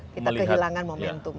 kita kehilangan momentum